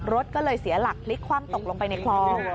รถก็เลยเสียหลักพลิกคว่ำตกลงไปในคลอง